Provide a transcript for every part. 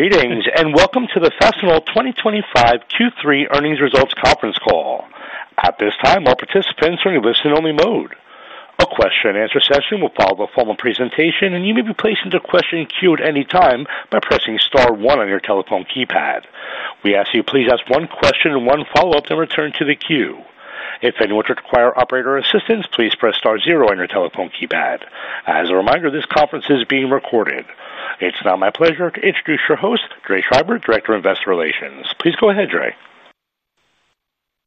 Greetings and welcome to the Fastenal 2025 Q3 Earnings Results Conference Call. At this time, all participants are in listen-only mode. A question and answer session will follow the formal presentation, and you may be placed into question and queue at any time by pressing star one on your telephone keypad. We ask that you please ask one question and one follow-up, then return to the queue. If anyone should require operator assistance, please press star zero on your telephone keypad. As a reminder, this conference is being recorded. It's now my pleasure to introduce your host, Dray Schreiber, Director of Investor Relations. Please go ahead, Dray.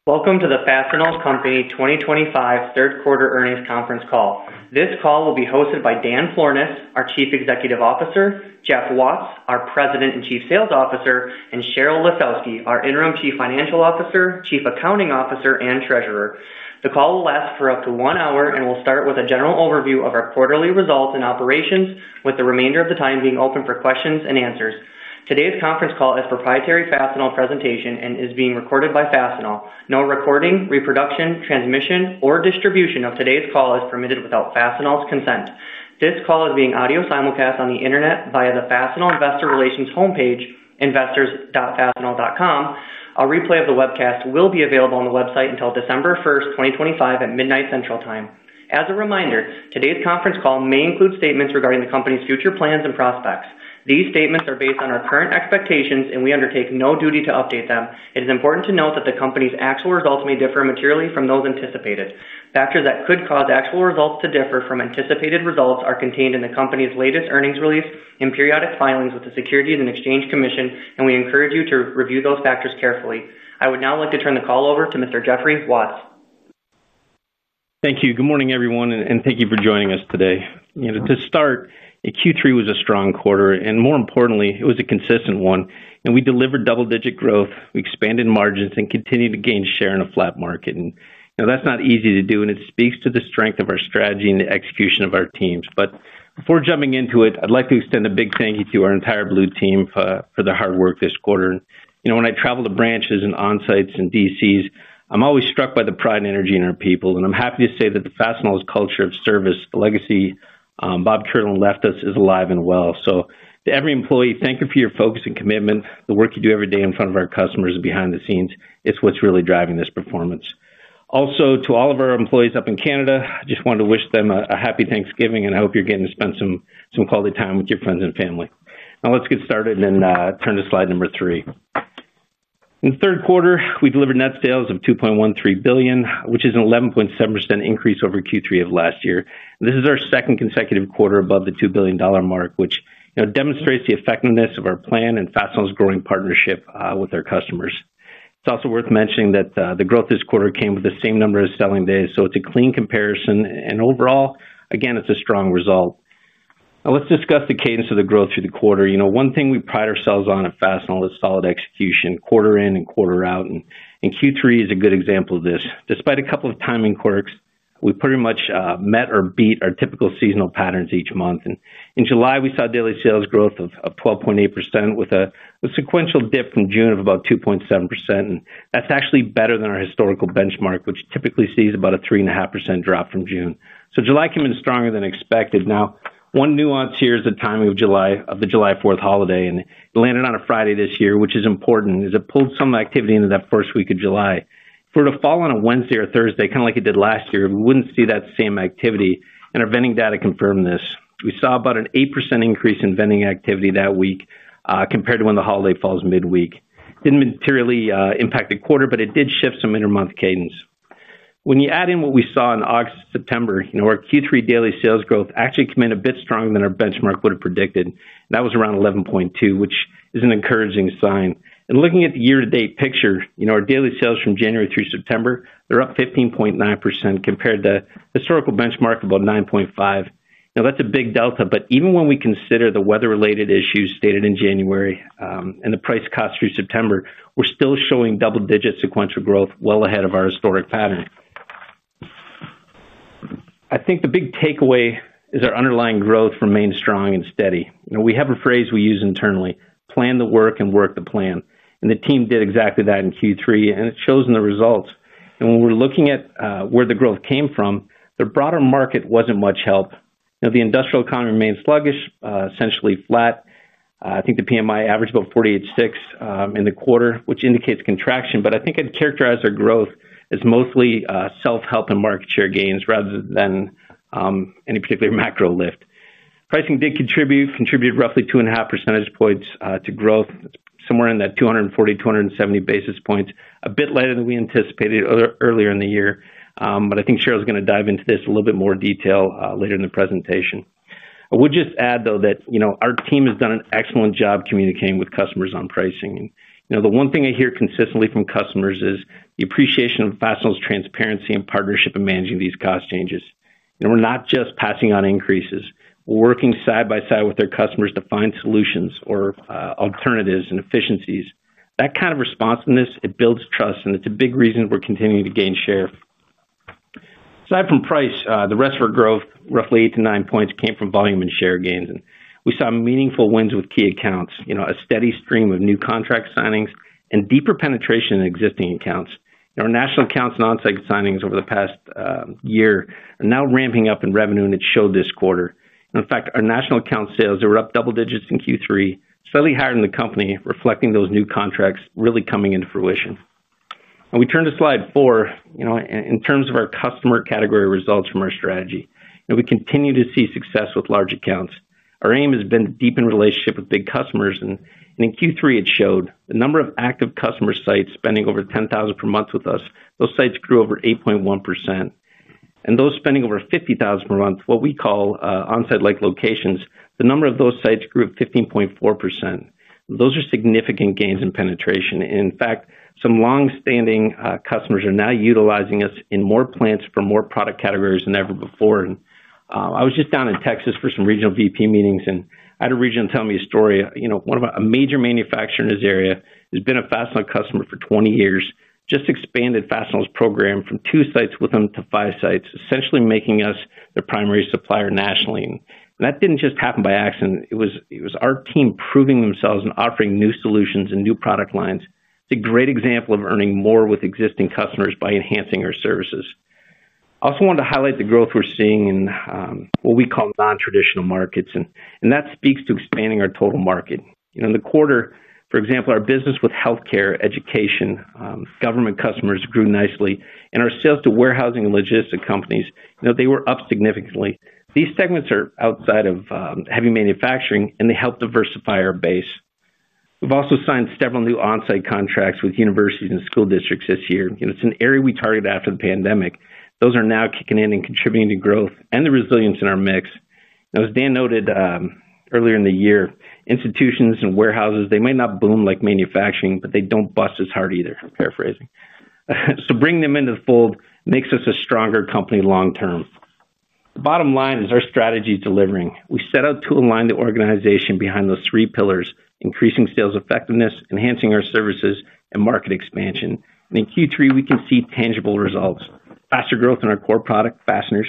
Welcome to the Fastenal Company 2025 Third Quarter Earnings Conference Call. This call will be hosted by Dan Florness, our Chief Executive Officer, Jeff Watts, our President and Chief Sales Officer, and Sheryl Lisowski, our Interim Chief Financial Officer, Chief Accounting Officer and Treasurer. The call will last for up to one hour, and we'll start with a general overview of our quarterly results and operations, with the remainder of the time being open for questions and answers. Today's conference call is a proprietary Fastenal presentation and is being recorded by Fastenal. No recording, reproduction, transmission or distribution of today's call is permitted without Fastenal's consent. This call is being audio simulcast on the Internet via the Fastenal Investor Relations homepage investors.fastenal.com. A replay of the webcast will be available on the website until December 1st, 2025 at 12:00 A.M. Central Time. As a reminder, today's conference call may include statements regarding the Company's future plans and prospects. These statements are based on our current expectations and we undertake no duty to update them. It is important to note that the Company's actual results may differ materially from those anticipated. Factors that could cause actual results to differ from anticipated results are contained in the Company's latest earnings release and periodic filings with the Securities and Exchange Commission, and we encourage you to review those factors carefully. I would now like to turn the call over to Mr. Jeffrey Watts. Thank you. Good morning, everyone, and thank you for joining us today. To start, Q3 was a strong quarter and, more importantly, it was a consistent one. We delivered double-digit growth, expanded margins, and continued to gain share in a flat market. That's not easy to do, and it speaks to the strength of our strategy and the execution of our teams. Before jumping into it, I'd like. To extend a big thank you to our entire Blue Team for the hard work this quarter. You know, when I travel to branches and onsites and DCs, I'm always struck by the pride and energy in our people, and I'm happy to say that Fastenal's culture of service, the legacy Bob Kierlin left us, is alive and well. To every employee, thank you for your focus and commitment. The work you do every day in front of our customers and behind the scenes is what's really driving this performance. Also, to all of our employees up in Canada, I just wanted to wish them a Happy Thanksgiving and I hope you're getting to spend some quality time with your friends and family. Now let's get started and turn to slide number three. In the third quarter, we delivered net sales of $2.13 billion, which is an 11.7% increase over Q3 of last year. This is our second consecutive quarter above the $2 billion mark, which demonstrates the effectiveness of our plan and Fastenal's growing partnership with our customers. It's also worth mentioning that the growth this quarter came with the same number of selling days, so it's a clean comparison. Overall, again, it's a strong result. Now let's discuss the cadence of the growth through the quarter. One thing we pride ourselves on at Fastenal is solid execution quarter in and quarter out, and Q3 is a good example of this. Despite a couple of timing quirks, we pretty much met or beat our typical seasonal patterns each month. In July, we saw daily sales growth of 12.8% with a sequential dip from June of about 2.7%. That's actually better than our historical benchmark, which typically sees about a 3.5% drop from June, so July came in stronger than expected. One nuance here is the timing of the July 4th holiday. It landed on a Friday this year, which is important as it pulled some activity into that first week of July. For it to fall on a Wednesday or Thursday, kind of like it did last year, we wouldn't see that same activity, and our vending data confirmed this. We saw about an 8% increase in vending activity that week compared to when the holiday falls midweek. It didn't materially impact the quarter, but it did shift some intermonth cadence. When you add in what we saw in August and September, our Q3 daily sales growth actually came in a bit stronger than our benchmark would have predicted. That was around 11.2%, which is an encouraging sign. Looking at the year-to-date picture, our daily sales from January-September are up 15.9% compared to a historical benchmark of about 9.5%. Now that's a big delta. Even when we consider the weather-related issues stated in January and the price-cost through September, we're still showing double-digit sequential growth well ahead of our historic pattern. I think the big takeaway is our underlying growth remains strong and steady. We have a phrase we use internally: plan the work and work the plan. The team did exactly that in Q3, and it shows in the results. When we're looking at where the growth came from, the broader market wasn't much help. The industrial economy remains sluggish, essentially flat. I think the PMI averaged about 48.6 in the quarter, which indicates contraction. I think I'd characterize our growth as mostly self-help and market share gains rather than any particular macro lift. Pricing did contribute roughly 2.5 percentage points to growth, somewhere in that 240-270 basis points, a bit lighter than we anticipated earlier in the year. I think Sheryl's going to dive into this in a little bit more detail later in the presentation. I would just add, though, that our team has done an excellent job communicating with customers on pricing. The one thing I hear consistently from customers is the appreciation of Fastenal's transparency and partnership in managing these cost changes. We're not just passing on increases; we're working side by side with our customers to find solutions or alternatives and efficiencies. That kind of responsiveness builds trust, and it's a big reason we're continuing to gain share. Aside from price, the rest of our growth, roughly 8-9 points came from volume and share gains, and we saw meaningful wins with key accounts, a steady stream of new contract signings, and deeper penetration in existing accounts. Our national accounts and onsite signings over the past year are now ramping up in revenue, and it showed this quarter. In fact, our national account sales are up double-digits in Q3, slightly higher than the company, reflecting those new contracts really coming into fruition. We turn to slide four. In terms of our customer category results from our strategy, we continue to see success with large accounts. Our aim has been to deepen relationships with big customers, and in Q3 it showed. The number of active customer sites spending over $10,000 per month with us, those sites grew over 8.1%, and those spending over $50,000 per month, what we call onsite-like locations, the number of those sites grew at 15.4%. Those are significant gains in penetration. In fact, some long-standing customers are now utilizing us in more plants for more product categories than ever before. I was just down in Texas for some regional VP meetings and I had a regional tell me a story. You know, one of a major manufacturer in his area has been a Fastenal customer for 20 years. Just expanded Fastenal's program from two sites with them to five sites, essentially making us the primary supplier nationally. That didn't just happen by accident. It was our team proving themselves and offering new solutions and new product lines. It's a great example of earning more with existing customers by enhancing our services. I also wanted to highlight the growth we're seeing in what we call non-traditional markets and that speaks to expanding our total market in the quarter. For example, our business with healthcare, education, government customers grew nicely and our sales to warehousing and logistics companies, they were up significantly. These segments are outside of heavy manufacturing and they help diversify our base. We've also signed several new onsite contracts with universities and school districts this year. It's an area we targeted after the pandemic. Those are now kicking in and contributing to growth and the resilience in our mix. Now, as Dan noted earlier in the year, institutions and warehouses, they might not boom like manufacturing, but they don't bust as hard either. Paraphrasing, so bringing them into the fold makes us a stronger company long-term. The bottom line is our strategy is delivering. We set out to align the organization behind those three pillars. Increasing sales effectiveness, enhancing our services and market expansion. In Q3 we can see tangible results. Faster growth in our core product fasteners,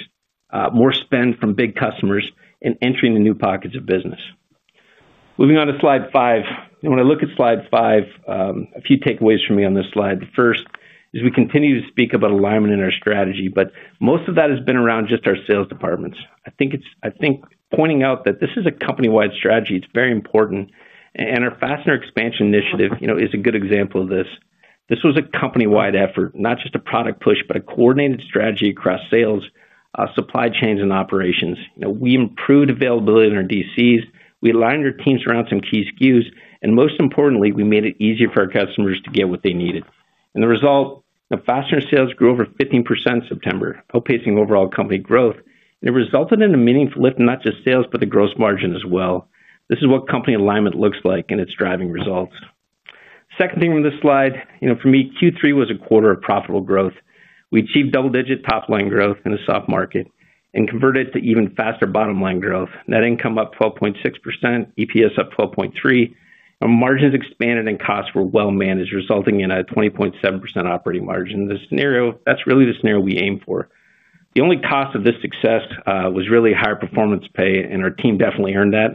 more spend from big customers and entering the new pockets of business. Moving on to slide five. When I look at slide five, a few takeaways from me on this slide. First is we continue to speak about alignment in our strategy, but most of that has been around just our sales departments. I think pointing out that this is a company wide strategy. It's very important and our Fastener expansion initiative is a good example of this. This was a company wide effort. Not just a product push but a coordinated strategy across sales, supply chains and operations. We improved availability in our DCs, we aligned our teams around some key SKUs and most importantly we made it easier for our customers to get what they needed. The result? Fastener sales grew over 15% in September, outpacing overall company growth, and it resulted in a meaningful lift in not just sales but the gross margin as well. This is what company alignment looks like, and it's driving results. Second thing from this slide for me, Q3 was a quarter of profitable growth. We achieved double-digit top line growth in a soft market and converted to even faster bottom line growth. Net income up 12.6%. EPS up 12.3%. Our margins expanded and costs were well managed, resulting in a 20.7% operating margin. That's really the scenario we aim for. The only cost of this success was really high performance pay, and our team definitely earned that.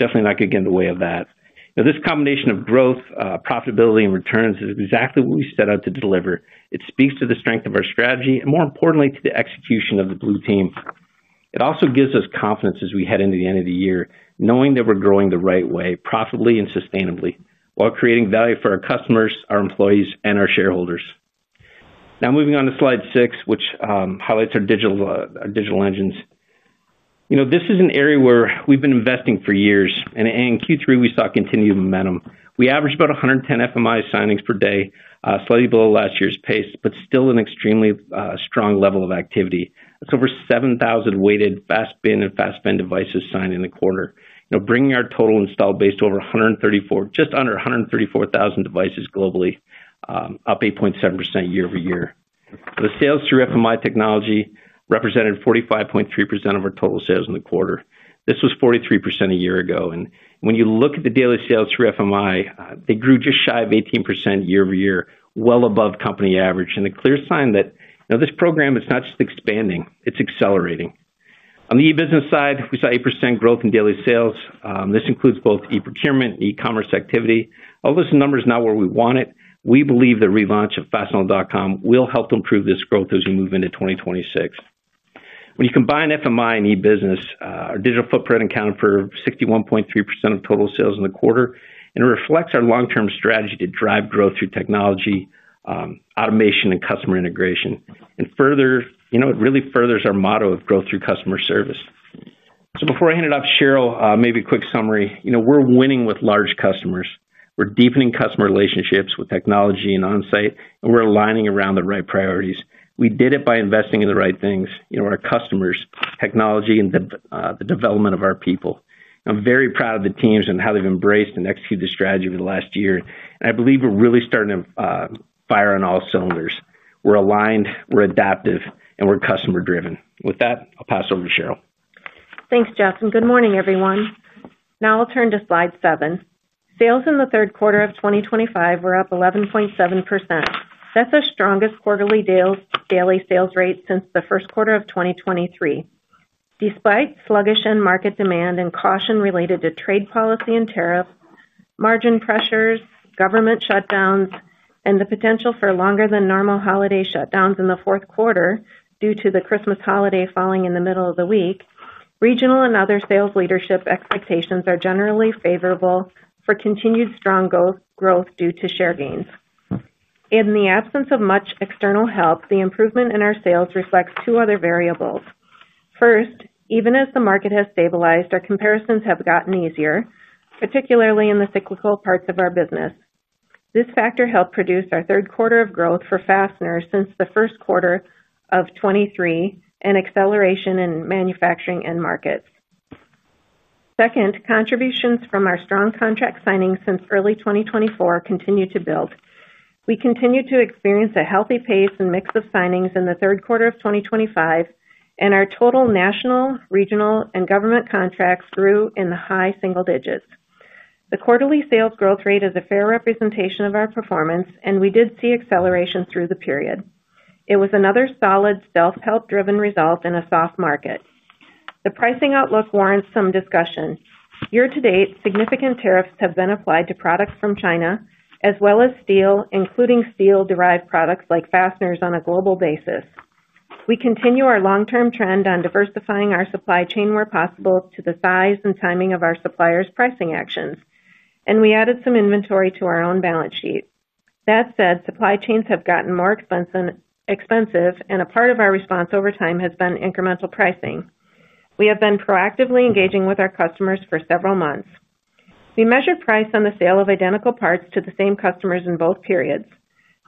Definitely not going to get in the way of that. This combination of growth, profitability, and returns is exactly what we set out to deliver. It speaks to the strength of our strategy and, more importantly, to the execution of the Blue Team. It also gives us confidence as we head into the end of the year. Knowing that we're growing the right way. Profitably and sustainably, while creating value for our customers, our employees, and our shareholders. Now moving on to slide six, which highlights our digital engines. This is an area where we've been investing for years, and in Q3 we saw continued momentum. We averaged about 110 FMI signings per day, slightly below last year's pace, but still an extremely strong level of activity. That's over 7,000 weighted FASTBin and FASTVend devices signed in the quarter, bringing our total installed base to just under 134,000 devices globally, up 8.7% year-over-year. The sales through FMI Technology represented 45.3% of our total sales in the quarter. This was 43% a year ago. When you look at the daily sales through FMI, they grew just shy of 18% year-over-year, well above company average and a clear sign that this program is not just expanding, it's accelerating. On the e-business side, we saw 8% growth in daily sales. This includes both e-procurement and e-commerce activity. Although this number is not where we want it, we believe the relaunch of fastenal.com will help improve this growth as we move into 2026. When you combine FMI and e-business, our digital footprint accounted for 61.3% of total sales in the quarter. It reflects our long-term strategy to drive growth through technology, automation, and customer integration. Further, it really furthers our motto of growth through customer service. Before I hand it off to. Sheryl, maybe a quick summary. You know, we're winning with large customers, we're deepening customer relationships with technology and onsite, and we're aligning around the right priorities. We did it by investing in. The right things, you know, our customers, technology, and the development of our people. I'm very proud of the teams and how they've embraced and executed the strategy over the last year, and I believe we're really starting to fire on all cylinders. We're aligned, we're adaptive, and we're customer driven. With that, I'll pass over to Sheryl. Thanks Jeff, and good morning everyone. Now I'll turn to slide seven. Sales in the third quarter of 2025 were up 11.7%. That's the strongest quarterly daily sales rate since the first quarter of 2023, despite sluggish end market demand and caution related to trade policy and tariffs, margin pressures, government shutdowns, and the potential for longer than normal holiday shutdowns in the fourth quarter due to the Christmas holiday falling in the middle of the week. Regional and other sales leadership expectations are generally favorable for continued strong growth due to share gains in the absence of much external help. The improvement in our sales reflects two other variables. First, even as the market has stabilized, our comparisons have gotten easier, particularly in the cyclical parts of our business. This factor helped produce our third quarter of growth for fastener since first quarter of 2023 and acceleration in manufacturing end markets. Second, contributions from our strong contract signings since early 2024 continue to build. We continue to experience a healthy pace and mix of signings in the third quarter of 2025 and our total national, regional, and government contracts grew in the high single digits. The quarterly sales growth rate is a fair representation of our performance and we did see acceleration through the period. It was another solid self help driven result in a soft market. The pricing outlook warrants some discussion. Year to date, significant tariffs have been applied to products from China as well as steel, including steel derived products like fasteners. On a global basis, we continue our long-term trend on diversifying our supply-chain where possible to the size and timing of our suppliers' pricing actions and we added some inventory to our own balance sheet. That said, supply chains have gotten more expensive and a part of our response over time has been incremental pricing. We have been proactively engaging with our customers for several months. We measured price on the sale of identical parts to the same customers in both periods.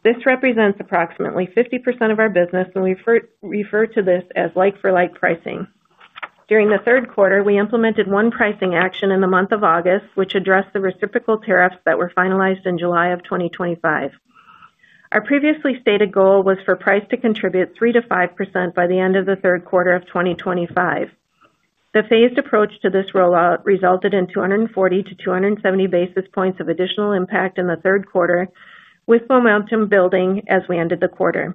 This represents approximately 50% of our business and we refer to this as like for like pricing during the third quarter. We implemented one pricing action in the month of August which addressed the reciprocal tariffs that were finalized in July of 2025. Our previously stated goal was for price to contribute 3%-5% by the end of the third quarter of 2025. The phased approach to this rollout resulted in 240-270 basis points of additional impact in the third quarter, with momentum building as we ended the quarter.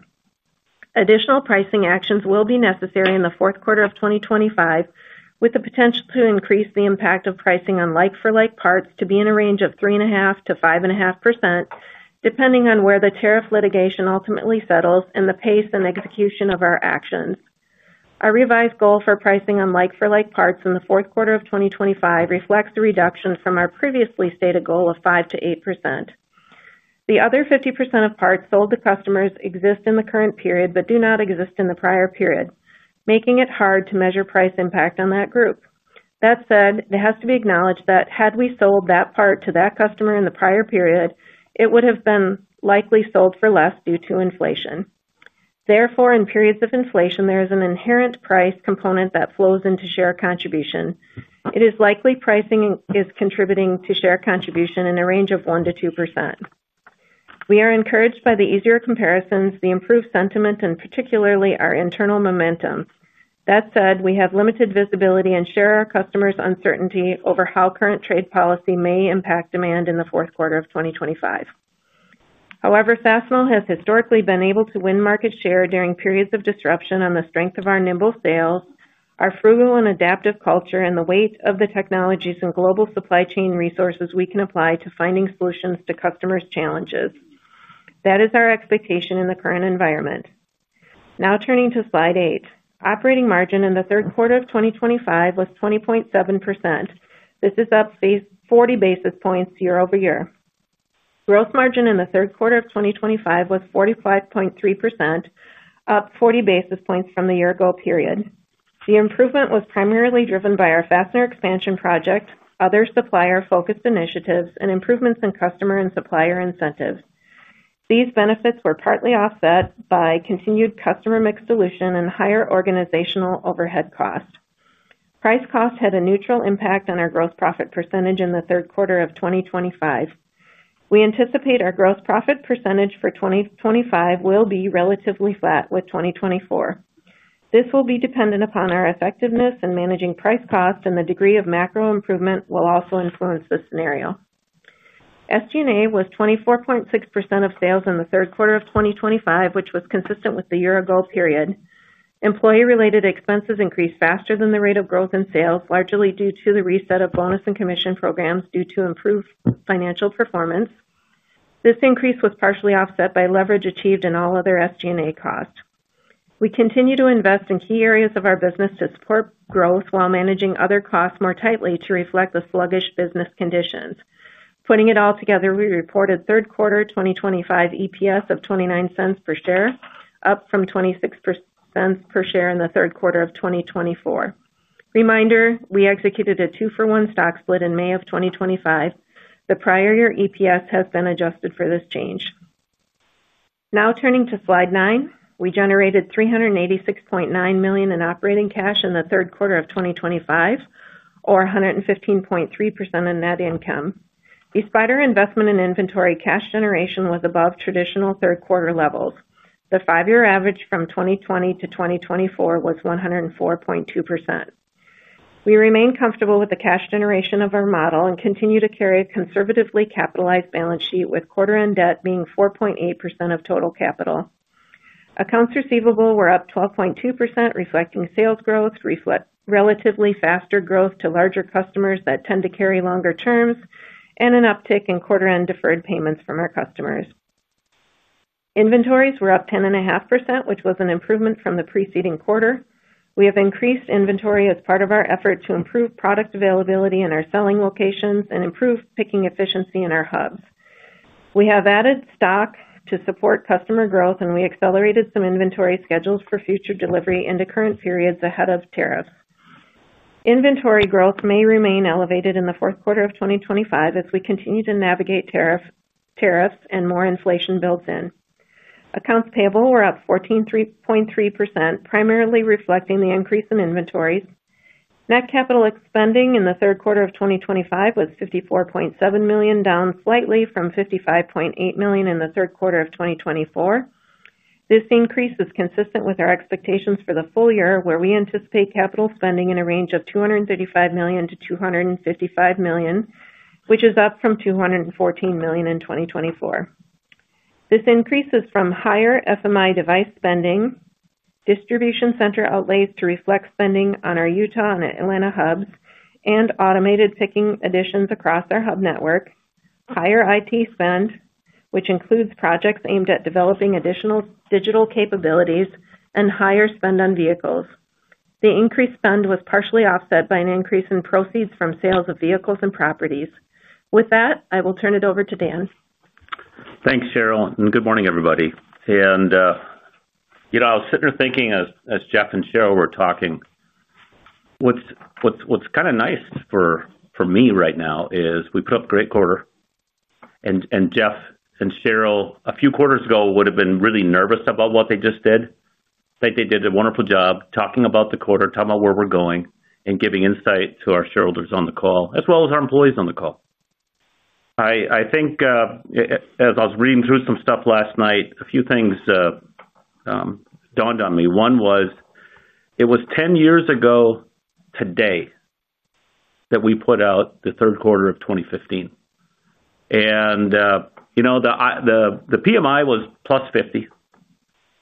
Additional pricing actions will be necessary in the fourth quarter of 2025, with the potential to increase the impact of pricing on like for like parts to be in a range of 3.5%-5.5%, depending on where the tariff litigation ultimately settles and the pace and execution of our actions. Our revised goal for pricing on like for like parts in the fourth quarter of 2025 reflects a reduction from our previously stated goal of 5%-8%. The other 50% of parts sold to customers exist in the current period but do not exist in the prior period, making it hard to measure price impact on that group. That said, it has to be acknowledged that had we sold that part to that customer in the prior period, it would have been likely sold for less due to inflation. Therefore, in periods of inflation, there is an inherent price component that flows into share contribution. It is likely pricing is contributing to share contribution in a range of 1%-2%. We are encouraged by the easier comparisons, the improved sentiment, and particularly our internal momentum. That said, we have limited visibility and share our customers' uncertainty over how current trade policy may impact demand in the fourth quarter of 2025. However, Fastenal has historically been able to win market share during periods of disruption on the strength of our nimble sales, our frugal and adaptive culture, and the weight of the technologies and global supply chain resources we can apply to finding solutions to customers' challenges. That is our expectation in the current environment. Now turning to slide eight, operating margin in the third quarter of 2025 was 20.7%. This is up 40 basis points year-over-year. Gross margin in the third quarter of 2025 was 45.3%, up 40 basis points from the year ago period. The improvement was primarily driven by our fastener expansion initiative, other supplier focused initiatives, and improvements in customer and supplier incentives. These benefits were partly offset by continued customer mix dilution and higher organizational overhead cost. Price cost had a neutral impact on our gross profit percentage in the third quarter of 2025. We anticipate our gross profit percentage for 2025 will be relatively flat with 2024. This will be dependent upon our effectiveness in managing price cost and the degree of macro improvement will also influence this scenario. SG&A was 24.6% of sales in the third quarter of 2025, which was consistent with the year ago period. Employee related expenses increased faster than the rate of growth in sales, largely due to the reset of bonus and commission programs due to improved financial performance. This increase was partially offset by leverage achieved in all other SG&A cost. We continue to invest in key areas of our business to support growth while managing other costs more tightly to reflect the sluggish business conditions. Putting it all together, we reported third quarter 2025 EPS of $0.29 per share, up from $0.26 per share in the third quarter of 2024. Reminder, we executed a 2 for 1 stock split in May of 2025. The prior year EPS has been adjusted for this change. Now turning to slide nine, we generated $386.9 million in operating cash in the third quarter of 2025, or 115.3% of net income. Despite our investment in inventory, cash generation was above traditional third quarter levels. The five year average from 2020-2024 was 104.2%. We remain comfortable with the cash generation of our model and continue to carry a conservatively capitalized balance sheet with quarter-end debt being 4.8% of total capital. Accounts receivable were up 12.2%, reflecting sales growth, relatively faster growth to larger customers that tend to carry longer terms, and an uptick in quarter-end deferred payments from our customers. Inventories were up 10.5%, which was an improvement from the preceding quarter. We have increased inventory as part of our effort to improve product availability in our selling locations and improve picking efficiency in our hubs. We have added stock to support customer growth and we accelerated some inventory schedules for future delivery into current periods ahead of tariffs. Inventory growth may remain elevated in the fourth quarter of 2025 as we continue to navigate tariffs and more inflation. Built in accounts payable were up 14.3%, primarily reflecting the increase in inventories. Net capital spending in the third quarter of 2025 was $54.7 million, down slightly from $55.8 million in the third quarter of 2024. This increase is consistent with our expectations for the full year, where we anticipate capital spending in a range of $235 million-$255 million, which is up from $214 million in 2024. This increase is from higher FMI device spending, distribution center outlays to reflect spending on our Utah and Atlanta hubs, and automated picking additions across our hub network. Higher IT spend, which includes projects aimed at developing additional digital capabilities, and higher spend on vehicles. The increased spend was partially offset by an increase in proceeds from sales of vehicles and properties. With that, I will turn it over to Dan. Thanks Sheryl and good morning everybody. You know, I was sitting there thinking as Jeff and Sheryl were talking, what's kind of nice for me right now is we put up a great quarter. Jeff and Sheryl a few quarters ago would have been really nervous about what they just did. I think they did a wonderful job talking about the quarter, talking about where we're going, and giving insight to our shareholders on the call as well as our employees on the call. I think as I was reading through some stuff last night, a few things dawned on me. One was it was 10 years ago today that we put out the third quarter of 2015, and the PMI was +50.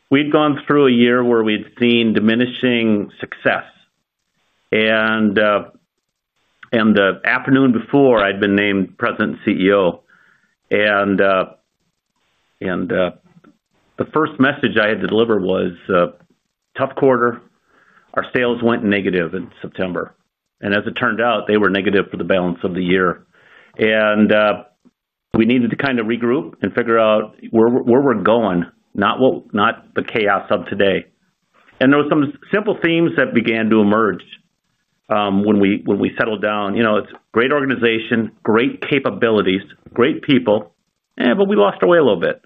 We'd gone through a year where we'd seen diminishing success. The afternoon before, I'd been named President and CEO, and the first message I had to deliver was tough quarter. Our sales went negative in September, and as it turned out, they were negative for the balance of the year. We needed to kind of regroup and figure out where we're going, not the chaos of today. There were some simple themes that began to emerge when we settled down. It's a great organization, great capabilities, great people, but we lost our way a little bit.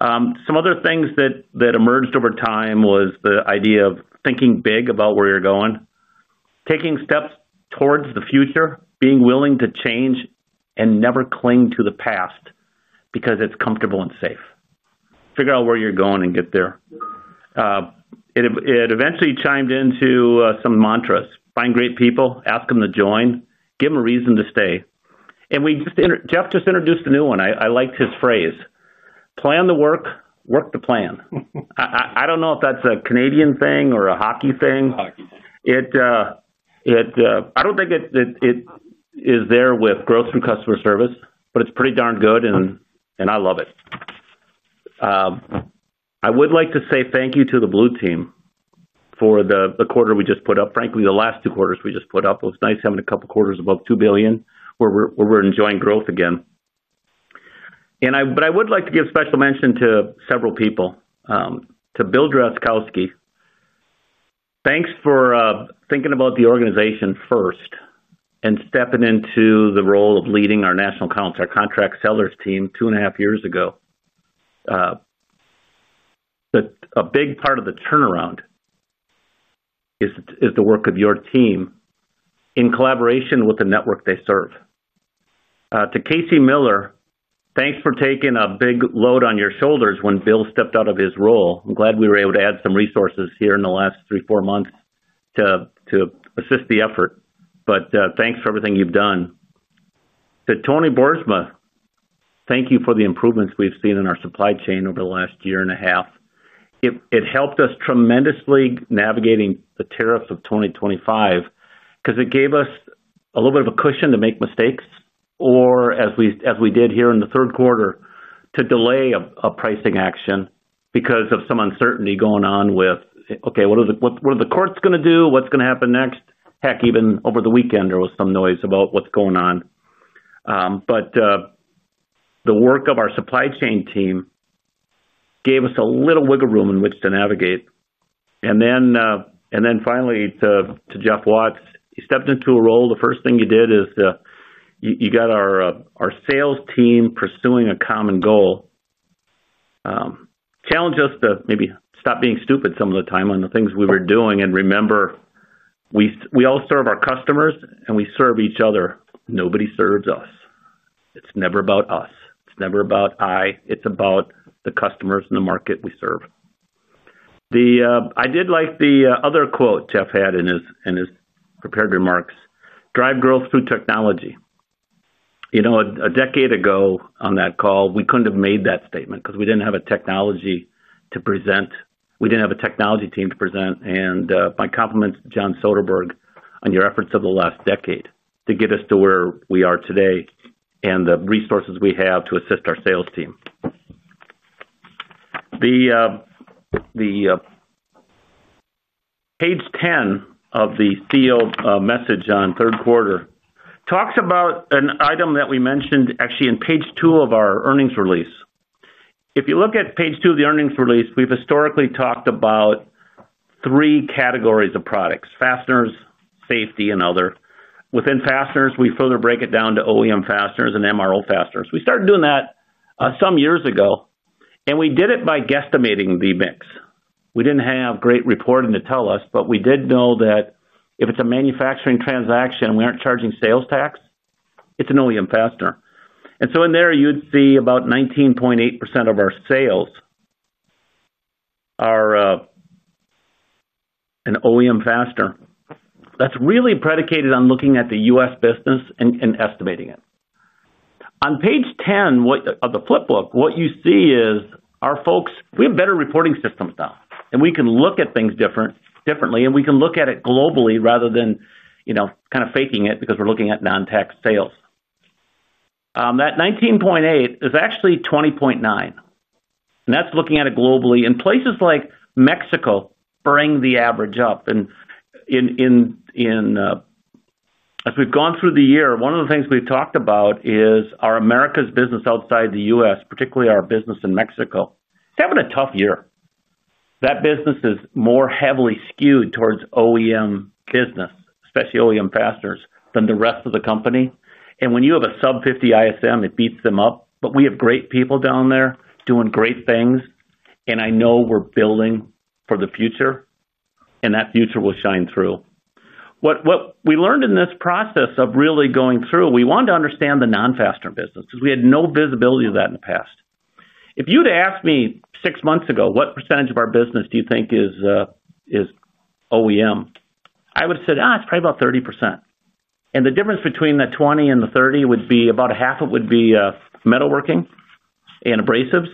Some other things that emerged over time was the idea of thinking big about where you're going, taking steps towards the future, being willing to change and never cling to the past because it's comfortable and safe. Figure out where you're going and get there. It eventually chimed into some mantras. Find great people, ask them to join, give them a reason to stay. Jeff just introduced a new one. I liked his phrase, plan the work, work the plan. I don't know if that's a Canadian thing or a hockey thing. I don't think it is there with growth from customer service, but it's pretty darn good and I love it. I would like to say thank you to the Blue Team for the quarter we just put up. Frankly, the last two quarters we just put up. It was nice having a couple quarters above $2 billion where we're enjoying growth again. I would like to give special mention to several people: to Bill Drazkowski, thanks for thinking about the organization first and stepping into the role of leading our national accounts, our contract sellers team two and a half years ago. A big part of the turnaround is the work of your team in collaboration with the network they serve too. Casey Miller, thanks for taking a big load on your shoulders when Bill stepped out of his role. I'm glad we were able to add some resources here in the last three, four months to assist the effort. Thanks for everything you've done. To Tony Broersma, thank you for the improvements we've seen in our supply chain over the last year and a half. It helped us tremendously navigating the tariffs of 2025 because it gave us a little bit of a cushion to make mistakes, or as we did here in the third quarter, to delay a pricing action because of some uncertainty going on with, okay, what are the courts going to do? What's going to happen next? Heck, even over the weekend, there was some noise about what's going on. The work of our supply chain team gave us a little wiggle room in which to navigate. Finally, to Jeff Watts, he stepped into a role. The first thing you did is you got our sales team pursuing a common goal, challenged us to maybe stop being stupid some of the time on the things we were doing. Remember, we all serve our customers and we serve each other. Nobody serves us. It's never about us. It's never about I. It's about the customers and the market we serve. I did like the other quote Jeff had in his prepared remarks, drive growth through technology. You know, a decade ago on that call, we couldn't have made that statement because we didn't have a technology to present. We didn't have a technology team to present. My compliments, John Soderberg, on your efforts over the last decade to get us to where we are today and the resources we have to assist our sales team. Page 10 of the field message on third quarter talks about an item that we mentioned actually in page two of our earnings release. If you look at page two of the earnings release, we've historically talked about three categories of products, fasteners, safety, and other. Within fasteners, we further break it down to OEM fasteners and MRO fasteners. We started doing that some years ago, and we did it by guesstimating the mix. We didn't have great reporting to tell us, but we did know that if it's a manufacturing transaction, we aren't charging sales tax. It's an OEM fastener. In there, you'd see about 19.8% of our sales. Are. An OEM fastener. That's really predicated on looking at the U.S. business and estimating it. On page 10 of the flipbook, what you see is our folks, we have better reporting systems now and we can look at things differently and we can look at it globally rather than, you know, kind of faking it because we're looking at non-tax sales. That 19.8% is actually 20.9% and that's looking at it globally in places like Mexico. Bring the average up and in. As we've gone through the year, one of the things we've talked about is our Americas business outside the U.S., particularly our business in Mexico having a tough year. That business is more heavily skewed towards OEM business, especially OEM fasteners, than the rest of the company. When you have a sub-50 ISM, it beats them up. We have great people down there doing great things and I know we're building for the future and that future will shine through. What we learned in this process of really going through, we wanted to understand the non-fastener business because we had no visibility of that in the past. If you'd asked me six months ago, what percentage of our business do you think is OEM? I would have said it's probably about 30%. The difference between the 20% and the 30% would be about 1/2 would be metalworking and abrasives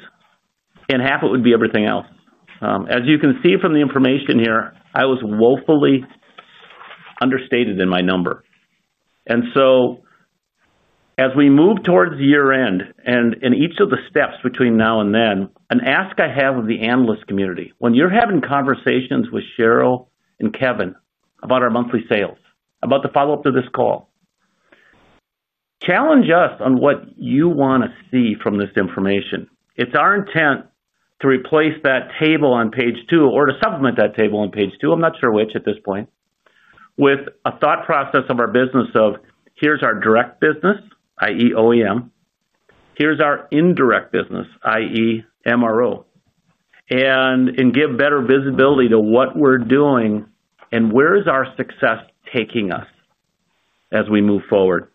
and 1/2 would be everything else. As you can see from the information here, I was woefully understated in my number. As we move towards year end and in each of the steps between now and then, an ask I have of the analyst community: when you're having conversations with Sheryl and Kevin about our monthly sales, about the follow-up to this call, challenge us on what you want to see from this information. It's our intent to replace that table on page two or to supplement that table on page two. I'm not sure which at this point. With a thought process of our business of here's our direct business, that is OEM, here's our indirect business, that is MRO, and give better visibility to what we're doing and where is our success taking us as we move forward.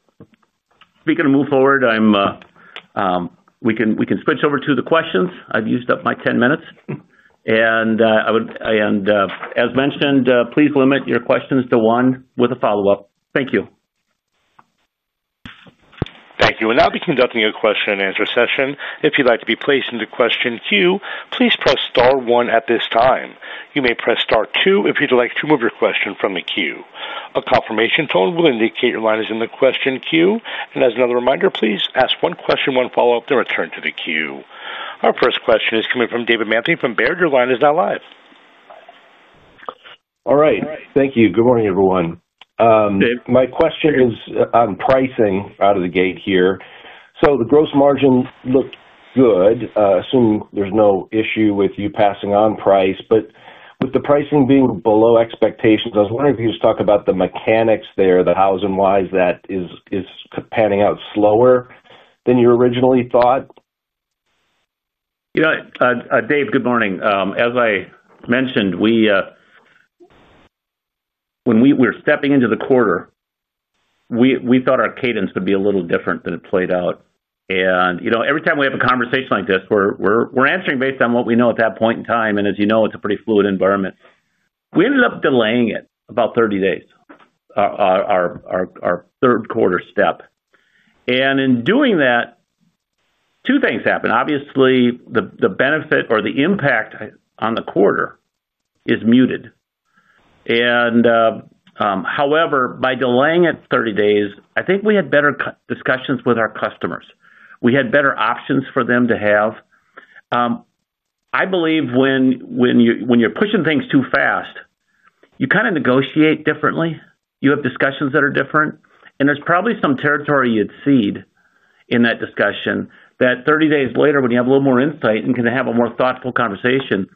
Speaking of move forward, we can switch over to the questions. I've used up my 10 minutes and as mentioned, please limit your questions to one with a follow-up. Thank you. Thank you. will now be conducting a question and answer session. If you'd like to be placed into the queue, please press star one on your telephone keypad. question queue, please press star one at this time. You may press star two. If you'd like to remove your question. From the queue, a confirmation tone will. Indicate your line is in the question queue. As another reminder, please ask one question, one follow-up, then return to the queue. Our first question is coming from David Manthey from Baird. Your line is now live. All right, thank you. Good morning everyone. My question is on pricing out of the gate here. The gross margin looked good, assuming there's no issue with you passing on price, but with the pricing being below expectations. I was wondering if you just talk about the mechanics there, the housing wise. That is panning out slower than you originally thought. You know, Dave, good morning. As I mentioned, when we were stepping into the quarter, we thought our cadence would be a little different than it played out. Every time we have a conversation like this, we're answering based on what we know at that point in time. As you know, it's a pretty fluid environment. We ended up delaying it about 30 days, our third quarter step. In doing that, two things happen. Obviously, the benefit or the impact on the quarter is muted. However, by delaying it 30 days, I think we had better discussions with our customers. We had better options for them to have. I believe when you're pushing things too fast, you kind of negotiate differently. You have discussions that are different. There's probably some territory you'd cede in that discussion that 30 days later, when you have a little more insight and can have a more thoughtful conversation,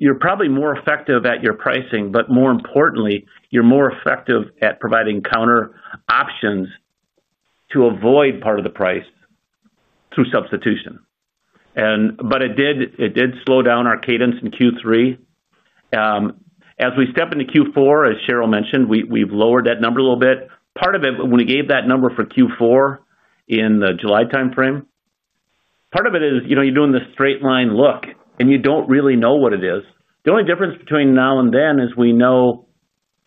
you're probably more effective at your pricing. More importantly, you're more effective at providing counter options to avoid part of the price through substitution. It did slow down our cadence in Q3 as we step into Q4. As Sheryl mentioned, we've lowered that number a little bit. Part of it, when we gave that number for Q4 in the July time-frame, part of it is you're doing this straight line look and you don't really know what it is. The only difference between now and then is we know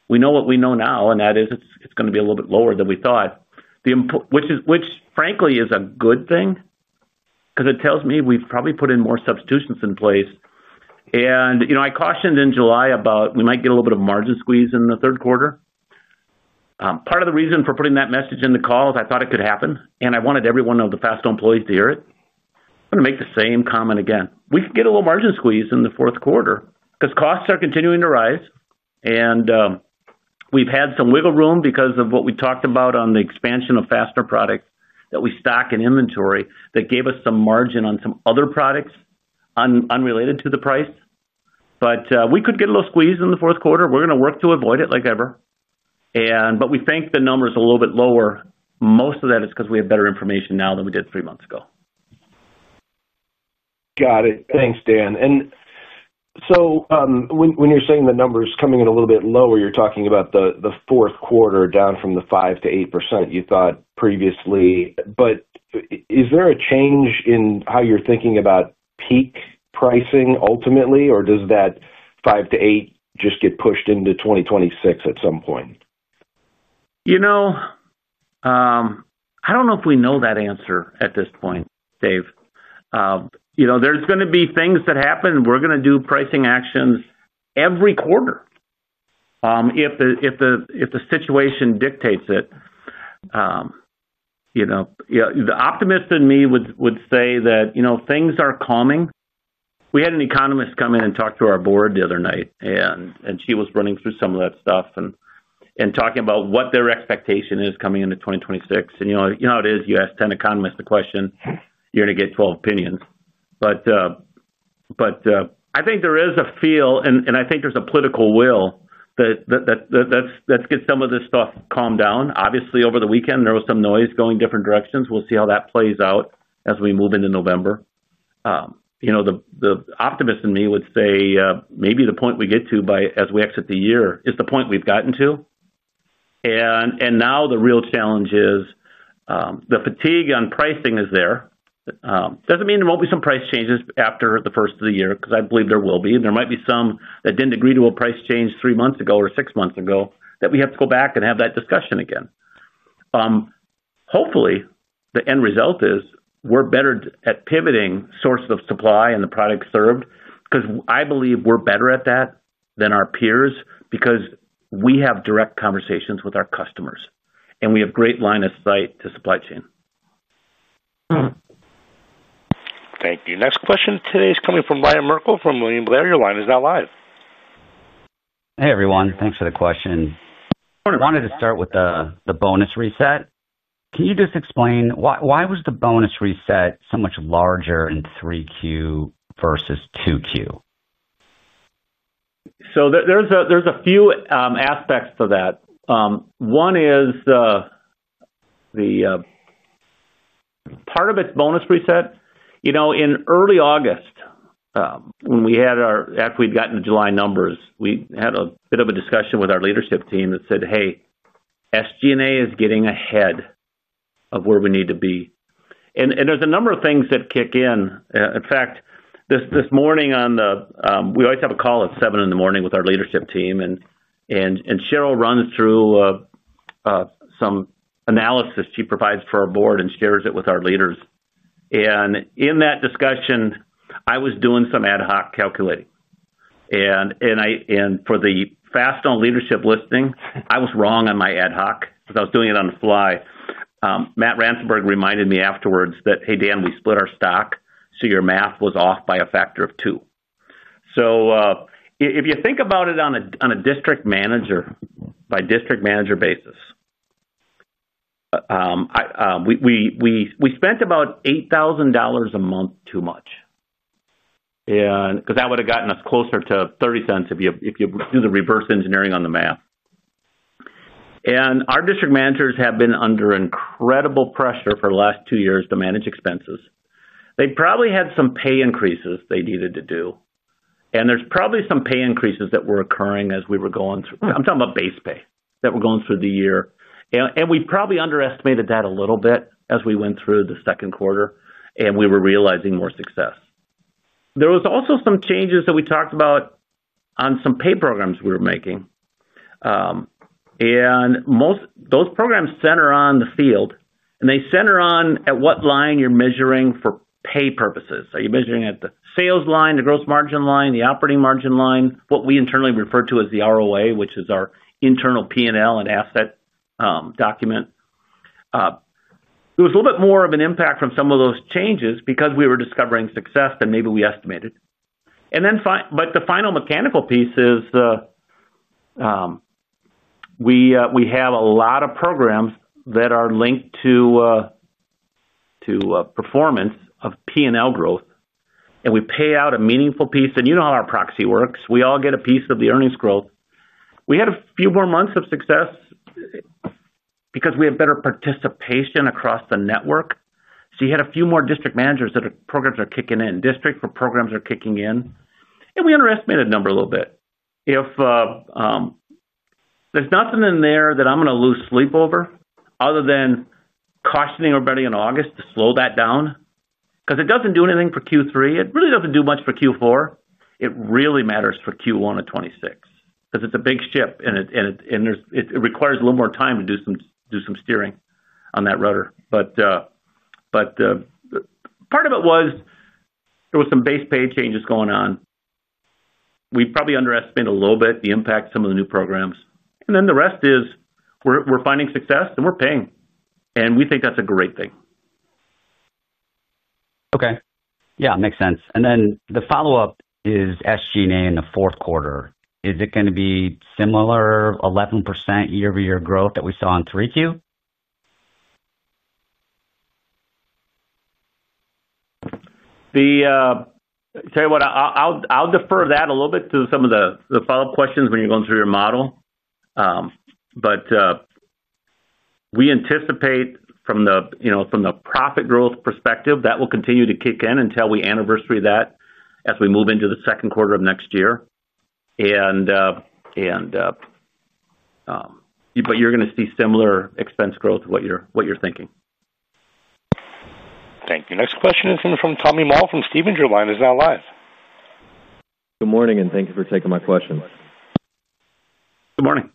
what we know now. That is, it's going to be a little bit lower than we thought, which frankly is a good thing because it tells me we've probably put more substitutions in place. I cautioned in July about we might get a little bit of margin squeeze in the third quarter. Part of the reason for putting that message in the call is I thought it could happen and I wanted every one of the Fastenal employees to hear it. I'm going to make the same comment again. We could get a little margin squeeze in the fourth quarter because costs are continuing to rise and we've had some wiggle room because of what we talked about on the expansion of fastener products that we stock in inventory. That gave us some margin on some other products unrelated to the price. We could get a little squeeze in the fourth quarter. We're going to work to avoid it, like, ever. We think the number is a little bit lower. Most of that is because we have better information now than we did three months ago. Got it. Thanks, Dan. When you're saying the numbers coming in a little bit lower, you're talking about the fourth quarter down from the 5%-8% you thought previously. Is there a change in how you're thinking about peak pricing ultimately, or. Does that 5%-8% just get? Pushed into 2026 at some point? You know, I don't know if we know that answer at this point, Dave. There's going to be things that happen. We're going to do pricing actions every quarter if the situation dictates it. The optimist in me would say that things are calming. We had an economist come in and talk to our board the other night, and she was running through some of that stuff and talking about what their expectation is coming into 2026. You know how it is. You ask 10 economists a question, you're going to get 12 opinions. I think there is a feel, and I think there's a political will. Let's get some of this stuff calmed down. Obviously, over the weekend there was some noise going different directions. We'll see how that plays out as we move into November. The optimist in me would say maybe the point we get to as we exit the year is the point we've gotten to. Now the real challenge is the fatigue on pricing is there. Doesn't mean there won't be some price changes after the first of the year because I believe there will be. There might be some that didn't agree to a price change three months ago or six months ago that we have to go back and have that discussion again. Hopefully the end result is we're better at pivoting sources of supply and the product served because I believe we're better at that than our peers because we have direct conversations with our customers and we have great line of sight to supply chain. Thank you. Next question today is coming from Ryan Merkel. From William Blair. Your line is now live. Hey, everyone. Thanks for the question. Wanted to start with the bonus reset. Can you just explain why was the bonus reset so much larger in 3Q versus 2Q? There's a few aspects to that. One is the part of its bonus preset in early August when we had our after we'd gotten the July numbers, we had a bit of a discussion with our leadership team that said, hey, SG&A is getting ahead of where we need to be. There's a number of things that kick in. In fact, this morning we always have a call at 7:00 A.M. with our leadership team and Sheryl runs through some analysis. She provides for our board and shares it with our leaders. In that discussion I was doing some ad hoc calculating and for the Fastenal leadership listening, I was wrong on my ad hoc because I was doing it on the fly. Matt Rosenberg reminded me afterwards that hey Dan, we split our stock. Your math was off by a factor of two. If you think about it on a district manager by district manager basis, we spent about $8,000 a month too much because that would have gotten us closer to $0.30 if you do the reverse engineering on the math. Our district managers have been under incredible pressure for the last two years to manage expenses. They probably had some pay increases they needed to do and there's probably some pay increases that were occurring as we were going through. I'm talking about base pay that were going through the year and we probably underestimated that a little bit as we went through the second quarter and we were realizing more success. There was also some changes that we talked about on some pay programs we were making. Most those programs center on the field and they center on at what line you're measuring for pay purposes. Are you measuring at the sales line, the gross margin line, the operating margin line, what we internally refer to as the ROA, which is our internal P&L and asset document? There was a little bit more of an impact from some of those changes because we were discovering success than maybe we estimated. The final mechanical piece is we have a lot of programs that are linked to performance of P&L growth and we pay out a meaningful piece. You know how our proxy works. We all get a piece of the earnings growth. We had a few more months of success because we have better participation across the network. You had a few more district managers that programs are kicking in. District for programs are kicking in. We underestimated a number a little bit. If there's nothing in there that I'm going to lose sleep over other than cautioning everybody in August to slow that down because it doesn't do anything for Q3. It really doesn't do much for Q4. It really matters for Q1 of 2026 because it's a big ship and it requires a little more time to do some steering on that rudder. Part of it was there were some base pay changes going on. We probably underestimated a little bit the impact of some of the new programs and then the rest is we're finding success and we're paying and we think that's a great thing. Okay. Yeah, makes sense. The follow up is SG&A in the fourth quarter. Is it going to be similar 11% year-over-year growth that we saw in 3Q? I'll defer that a little bit to some of the follow up questions when you're going through your model. We anticipate from the profit growth perspective that will continue to kick in until we anniversary that as we move into the second quarter of next year. You're going to see similar expense growth, what you're thinking. Thank you. Next question is coming from Tommy Moll from Stephens. Your line is now live. Good morning, and thank you for taking my question. Good morning.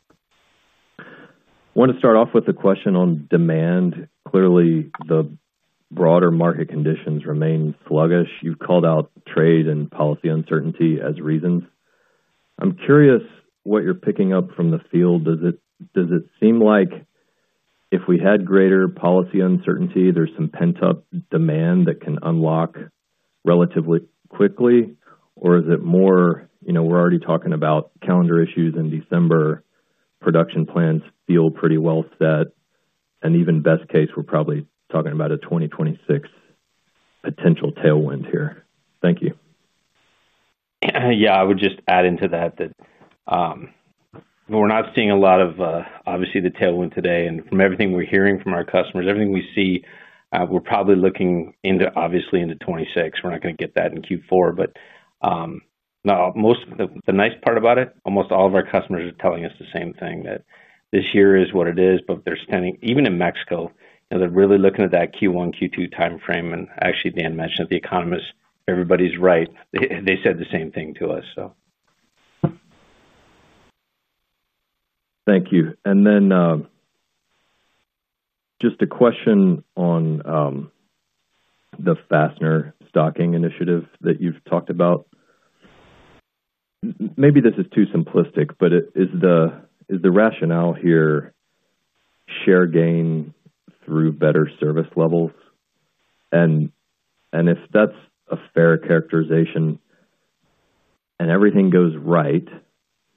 Want to start off with a question on demand. Clearly, the broader market conditions remain sluggish. You've called out trade and policy uncertainty as reasons. I'm curious what you're picking up from the field. Does it seem like if we had greater policy uncertainty, there's some pent up demand that can unlock relatively quickly, or is it more, you know, we're already talking about calendar issues in December? Production plans feel pretty well set, and even best case, we're probably talking about a 2026 potential tailwind here. Thank you. I would just add into that that we're not seeing a lot of, obviously, the tailwind today. From everything we're hearing from our customers, everything we see, we're probably looking into, obviously, into 2026. We're not going to get that in Q4. The nice part about it. Almost all of our customers are telling us the same thing, that this year is what it is. They're standing even in Mexico. They're really looking at that Q1, Q2 time frame. Dan mentioned the economists. Everybody's right. They said the same thing to us. Thank you. And then. Just a question on the fastener expansion initiative that you've talked about. Maybe this is too simplistic, but is the rationale here share gain through better service levels, and if that's a fair characterization and everything goes right,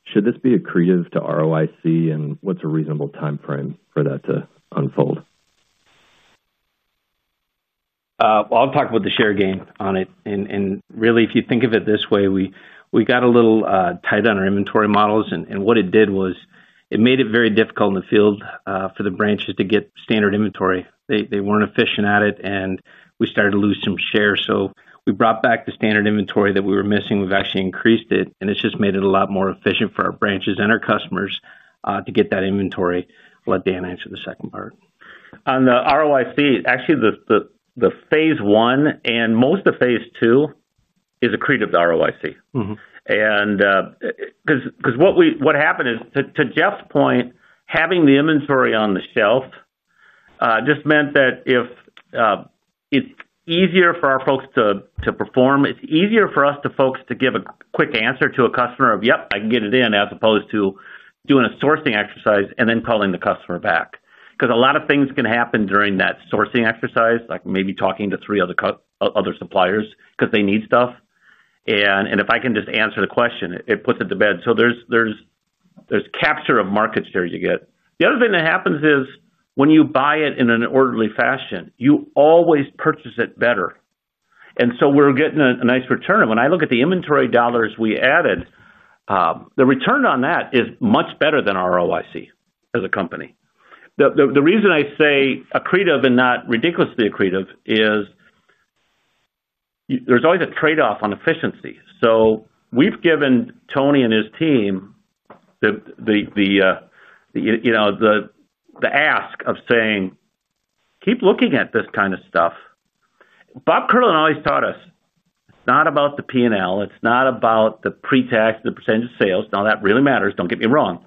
should this be accretive to ROIC, and what's a reasonable timeframe for that to unfold? I'll talk about the share gain on it. If you think of it this way, we got a little tight on our inventory models, and what it did was it made it very difficult in the field for the branches to get standard inventory. They weren't efficient at it, and we started to lose some share. We brought back the standard inventory that we were missing. We've actually increased it, and it's just made it a lot more efficient for our branches and our customers to get that inventory. Let Dan answer the second part on the ROIC. Actually, the phase one and most of phase two is accretive to ROIC because what happened is, to Jeff's point, having the inventory on the shelf just meant that if it's easier for our folks to perform, it's easier for our folks to give a quick answer to a customer of yep, I can get it in as opposed to doing a sourcing exercise and then calling the customer back. A lot of things can happen during that sourcing exercise, like maybe talking to three other suppliers because they need stuff, and if I can just answer the question, it puts it to bed. There's capture of market share you get. The other thing that happens is when you buy it in an orderly fashion, you always purchase it better, and so we're getting a nice return. When I look at the inventory dollars we added, the return on that is much better than ROIC as a company. The reason I say accretive and not ridiculously accretive is there's always a trade-off on efficiency. We've given Tony and his team the ask of saying keep looking at this kind of stuff. Bob Kierlin always taught us it's not about the P&L. It's not about the pre-tax, the percentof sales now that really matters. Don't get me wrong,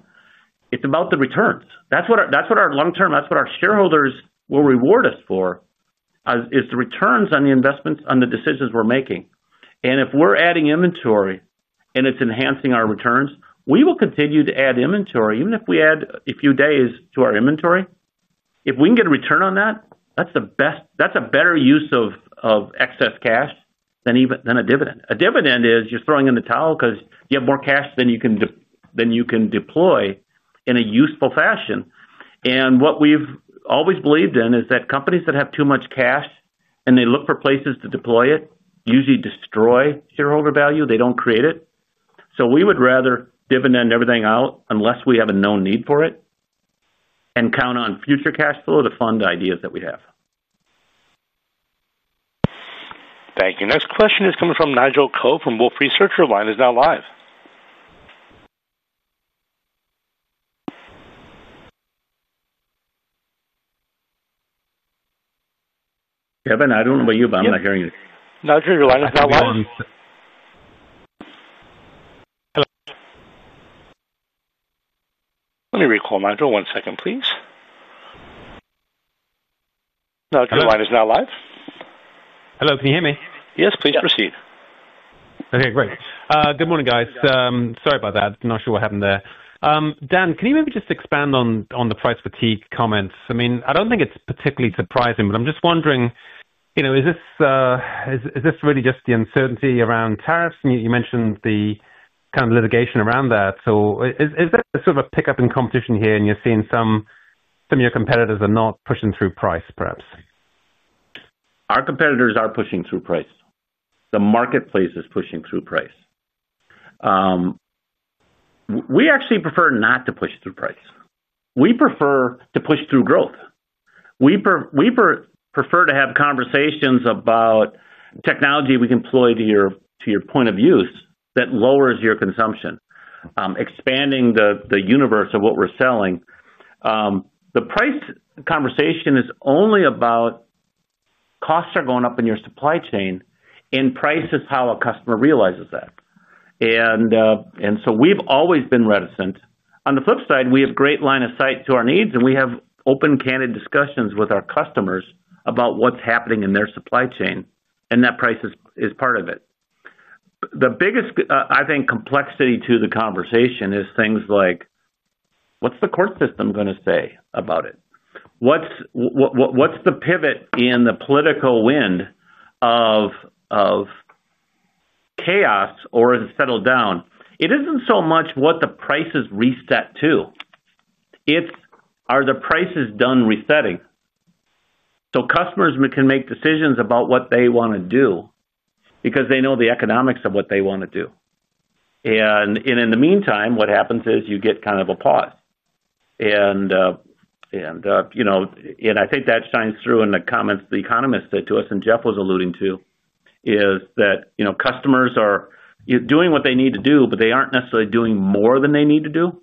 it's about the returns. That's what our long-term, that's what our shareholders will reward us for, is the returns on the investments, on the decisions we're making. If we're adding inventory and it's enhancing our returns, we will continue to add inventory even if we add a few days to our inventory. If we can get a return on that, that's the best. That's a better use of excess cash than a dividend. A dividend is you're throwing in the towel because you have more cash than you can deploy in a useful fashion. What we've always believed in is that companies that have too much cash and they look for places to deploy it usually destroy shareholder value. They don't create it. We would rather dividend everything out unless we have a known need for it and count on future cash flow to fund ideas that we have. Thank you. Next question is coming from Nigel Coe from Wolfe Research. Line is now live. Kevin, I don't know about you, but I'm not hearing it. Nigel, your line is not live. Let me recall. Nigel, one second, please. Line is now live. Hello, can you hear me? Yes, please proceed. Okay, great. Good morning, guys. Sorry about that. Not sure what happened there. Dan, can you maybe just expand on the price fatigue comments? I mean, I don't think it's particularly surprising, but I'm just wondering, you know, is this really just the uncertainty around tariffs? You mentioned the kind of litigation around that. Is there sort of a pickup in competition here? You're seeing some of your competitors are not pushing through price. Perhaps our competitors are pushing through price. The marketplace is pushing through price. We actually prefer not to push through price. We prefer to push through growth. We prefer to have conversations about technology we can deploy to your point of use that lowers your consumption, expanding the universe of what we're selling. The price conversation is only about costs are going up in your supply chain and price is how a customer realizes that. We've always been reticent. On the flip side, we have great line of sight to our needs and we have open, candid discussions with our customers about what's happening in their supply chain and that price is part of it. The biggest, I think, complexity to the conversation is things like what's the court system going to say about it? What's the pivot in the political wind of chaos or is it settled down? It isn't so much what the price is reset to. It's are the prices done resetting so customers can make decisions about what they want to do because they know the economics of what they want to do. In the meantime, what happens is you get kind of a pause. I think that shines through in the comments. The economist said to us, and Jeff was alluding to, is that customers are doing what they need to do, but they aren't necessarily doing more than they need to do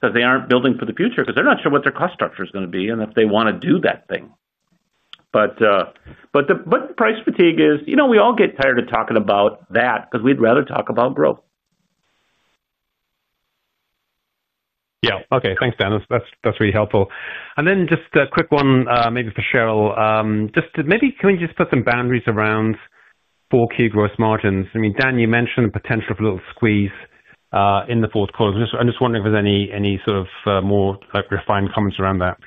because they aren't building for the future because they're not sure what their cost structure is going to be and if they want to do that thing. Price fatigue is we all get tired of talking about that because we'd rather talk about growth. Yeah, okay, thanks, Dan. That's really helpful. Just a quick one maybe for Sheryl, can we just put some boundaries around 4Q gross margins? Dan, you mentioned the potential for little. Squeeze in the fourth quarter. I'm just wondering if there's any sort. Of more refined comments around that.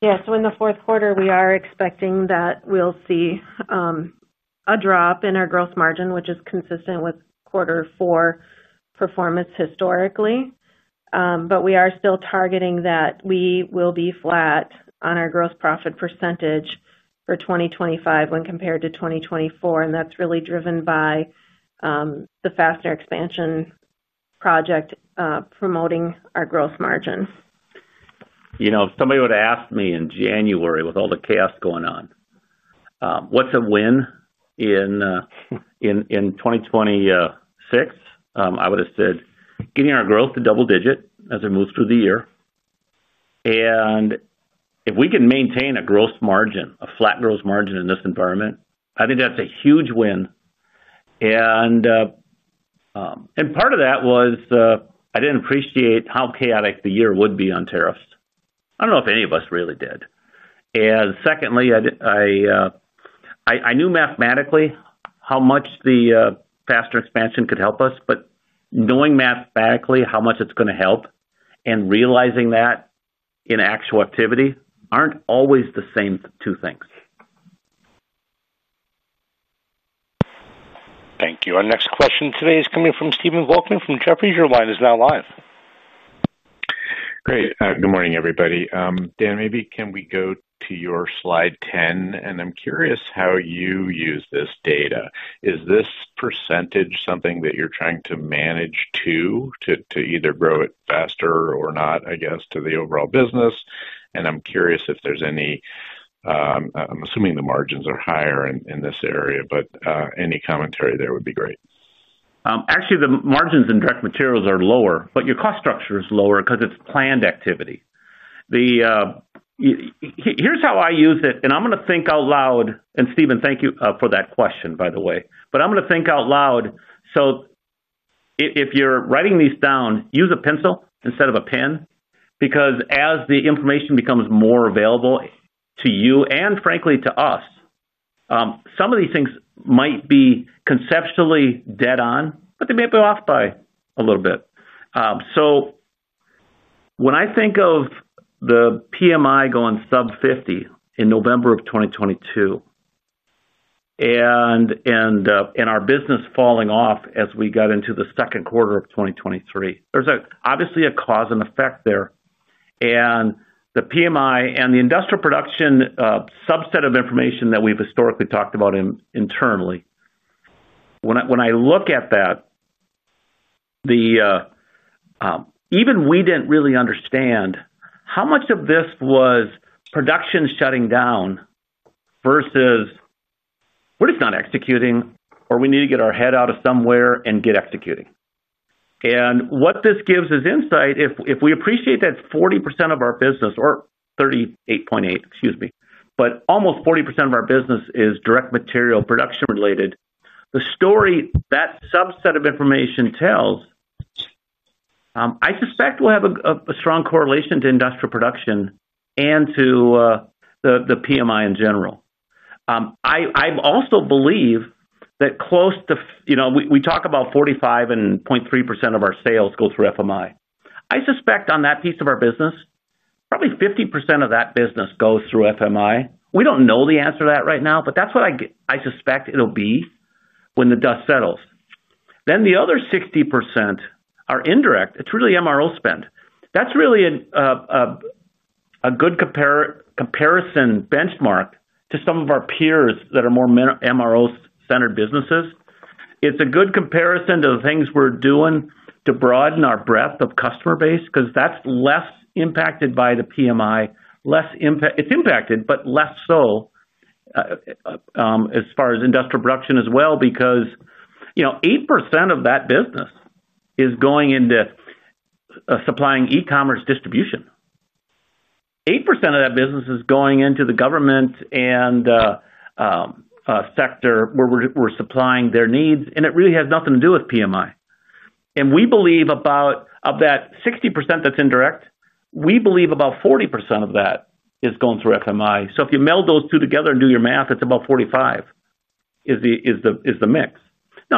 Yes. In the fourth quarter we are expecting that we'll see a drop in our gross margin, which is consistent with quarter four performance historically. We are still targeting that we will be flat on our gross profit percentage for 2025 when compared to 2024. That's really driven by the fastener expansion project promoting our gross margin. If somebody would have asked me in January with all the chaos going on, what's a win in 2026, I would have said getting our growth to double-digit as it moves through the year. If we can maintain a flat gross margin in this environment, I think that's a huge win. Part of that was I didn't appreciate how chaotic the year would be on tariffs. I don't know if any of us really did. Secondly, I knew mathematically how much the fastener expansion could help us, but knowing mathematically how much it's going to help and realizing that in actual activity aren't always the same two things. Thank you. Our next question today is coming from. Stephen Volkmann from Jefferies, your line is now live. Great. Good morning everybody. Dan, maybe can we go to your slide 10? I'm curious how you use this data. Is this percentage something that you're trying to manage to either grow it faster or not, I guess, to the overall business? I'm curious if there's any. I'm assuming the margins are higher in this area, but any commentary there would be great. actually. The margins in direct materials are lower, but your cost structure is lower because it's planned activity. Here's how I use it, and I'm going to think out loud. Stephen, thank you for that question, by the way, but I'm going to think out loud. If you're writing these down, use a pencil instead of a pen because as the information becomes more available to you and frankly to us, some of these things might be conceptually dead on, but they may be off by a little bit. When I think of the PMI going sub-50 in November of 2022 and our business falling off as we got into the second quarter of 2023, there's obviously a cause and effect there. The PMI and the industrial production subset of information that we've historically talked about internally, when I look at that, even we didn't really understand how much of this was production shutting down versus we're just not executing or we need to get our head out of somewhere and get executing, and what this gives is insight. If we appreciate that 40% of our business, or 38.8%, excuse me, but almost 40% of our business is direct material production related, the story that subset of information tells, I suspect, will have a strong correlation to industrial production and to the PMI in general. I also believe that close to, you know, we talk about 45.3% of our sales go through FMI Technology. I suspect on that piece of our business, probably 50% of that business goes through FMI Technology. We don't know the answer to that right now, but that's what I suspect it'll be when the dust settles. The other 60% are indirect. It's really MRO spend. That's really a good comparison benchmark to some of our peers that are more MRO centered businesses. It's a good comparison to the things we're doing to broaden our breadth of customer base because that's less impacted by the PMI. Less impact, it's impacted, but less so as far as industrial production as well because 8% of that business is going into supplying e-business platforms distribution. 8% of that business is going into the government and sector where we're supplying their needs. It really has nothing to do with PMI. We believe about of that 60% that's indirect, we believe about 40% of that is going through FMI. If you meld those two together and do your math, it's about 45% is the mix.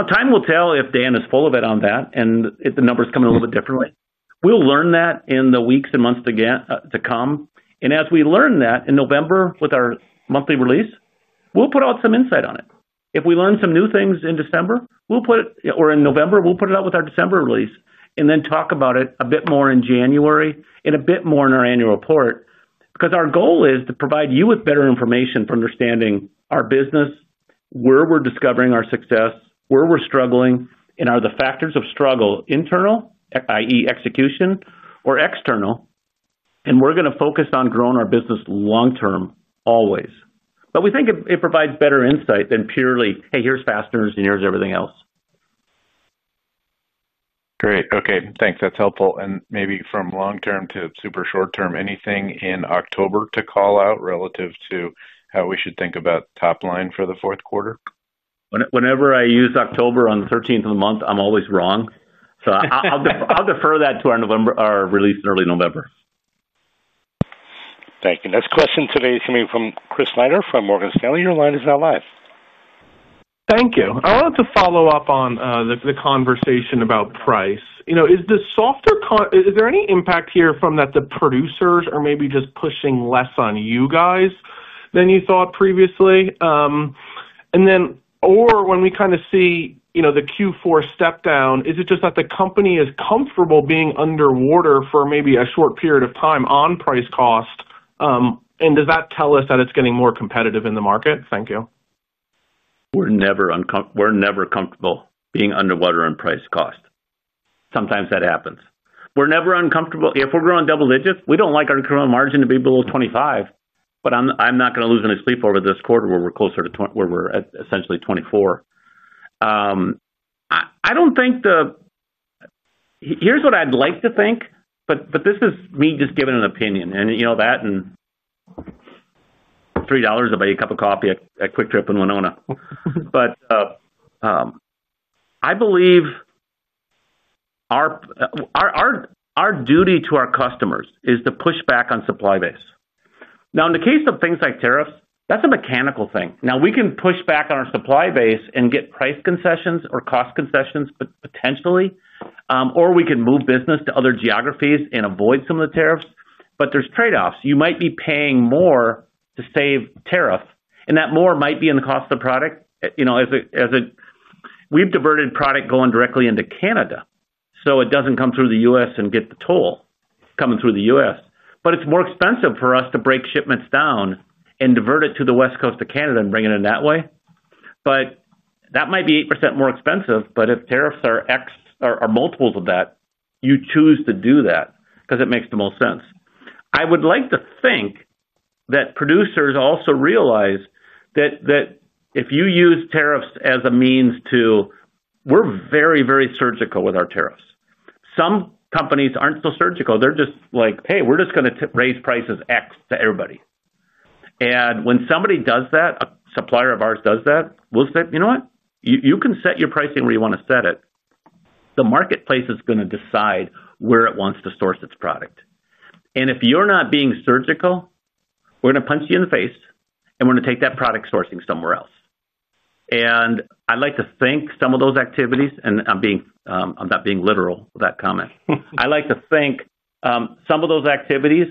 Time will tell if Dan is full of it on that and if the numbers come in a little bit differently, we'll learn that in the weeks and months to come. As we learn that in November with our monthly release, we'll put out some insight on it. If we learn some new things in December, we'll put it or in November we'll put it out with our December release and then talk about it a bit more in January and a bit more in our annual report. Our goal is to provide you with better information for understanding our business, where we're discovering our success, where we're struggling and are the factors of struggle internal, that is execution or external. We're going to focus on growing our business long-term always. We think it provides better insight than purely, hey, here's fasteners and here's everything else. Great, okay, thanks, that's helpful. Maybe from long-term to super short-term, anything in October to call out relative to how we should think about top line for the fourth quarter, whenever I use October on the 13th of the month. I'm always wrong, so I'll defer that to our release in early November. Thank you. Next question today is coming from Chris. Snyder from Morgan Stanley. Your line is now live. Thank you. I wanted to follow up on the conversation about price. Is there any impact here from that? The producers are maybe just pushing less on you guys than you thought previously. When we kind of see, you know, the Q4 step down, is it just that the company is comfortable being underwater for maybe a short period of time on price cost and does that tell us that it's getting more competitive in the market? Thank you. We're never comfortable being underwater on price cost. Sometimes that happens. We're never uncomfortable if we're growing double-digits. We don't like our margin to be below 25%. I'm not going to lose any sleep over this quarter where we're closer to where we're at, essentially 24%. I don't think the—here's what I'd like to think, but this is me just giving an opinion and you know that. And $3 will buy you a cup of coffee at Kwik Trip in Winona. I believe. Our duty to our customers is to push back on supply base. Now, in the case of things like tariffs, that's a mechanical thing. We can push back on our supply base and get price concessions or cost concessions potentially, or we can move business to other geographies and avoid some of the tariffs. There are trade offs. You might be paying more to save tariff and that more might be in the cost of product. You know, we've diverted product going directly into Canada so it doesn't come through the U.S. and get the toll coming through the U.S., but it's more expensive for us to break shipments down and divert it to the west coast of Canada and bring it in that way. That might be 8% more expensive. If tariffs are X or multiples of that, you choose to do that because it makes the most sense. I would like to think that producers also realize that if you use tariffs as a means to. We're very, very surgical with our tariffs. Some companies aren't so surgical. They're just like, hey, we're just going to raise prices X to everybody. When somebody does that, a supplier of ours does that, we'll say, you know what, you can set your pricing where you want to set it. The marketplace is going to decide where it wants to source its product. If you're not being surgical, we're going to punch you in the face and we're going to take that product sourcing somewhere else. I like to think some of those activities, and I'm not being literal with that comment, I like to think some of those activities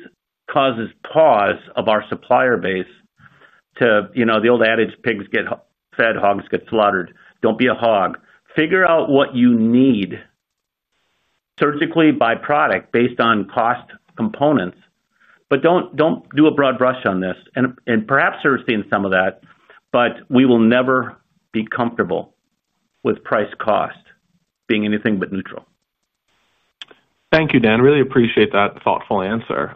causes pause of our supplier base to. You know the old adage, pigs get fed, hogs get slaughtered, don't be a hog, figure out what you need surgically by product based on cost components but don't do a broad brush on this. Perhaps you're seeing some of that. We will never be comfortable with price cost being anything but neutral. Thank you Dan, really appreciate that thoughtful answer.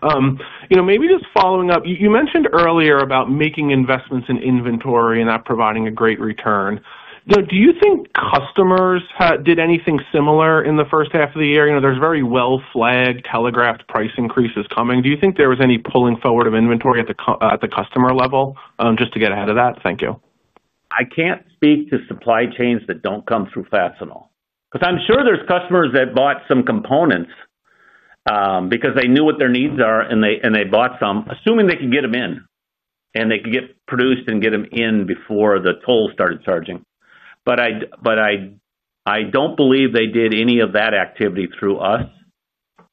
Maybe just following up you mentioned earlier about making investments in inventory and that. Providing a great return. Do you think customers did anything similar in the first half of the year? There's very well-flagged, telegraphed price increases coming. Do you think there was any push pulling forward of inventory at the customer level just to get ahead of that? Thank you. I can't speak to supply chains that don't come through Fastenal because I'm sure there's customers that bought some components because they knew what their needs are, and they bought some assuming they could get them in and they could get produced and get them in before the toll started charging. I don't believe they did any of that activity through us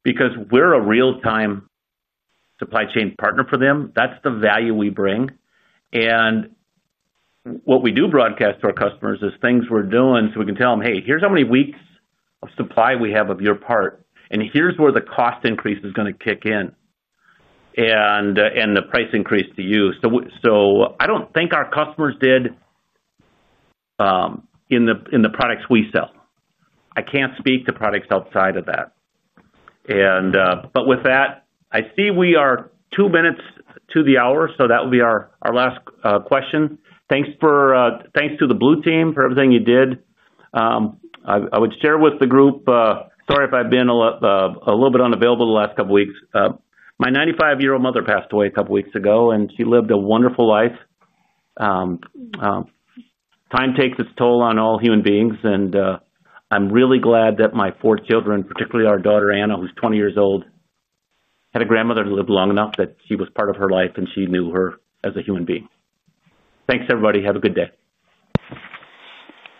because we're a real-time supply chain partner for them. That's the value we bring, and what we do broadcast to our customers is things we're doing so we can tell them, hey, here's how many weeks of supply we have of your part, and here's where the cost increase is going to kick in and the price increase to you. I don't think our customers did in the products we sell. I can't speak to products outside of that. With that, I see we are two minutes to the hour, so that will be our last question. Thanks to the Blue Team for everything you did. I would share with the group, sorry if I've been a little bit unavailable the last couple weeks. My 95-year-old mother passed away a couple weeks ago, and she lived a wonderful life. Time takes its toll on all human beings, and I'm really glad that my four children, particularly our daughter Anna, who's 20 years old, had a grandmother who lived long enough that she was part of her life and she knew her as a human being. Thanks everybody. Have a good day.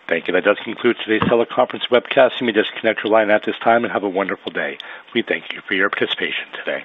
Thank you. That does conclude today's teleconference webcast. You may disconnect your line at this time. We thank you for your participation today. Have a wonderful day.